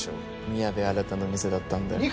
宮部新の店だったんだよ。